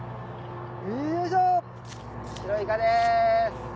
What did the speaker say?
よいしょ白イカです！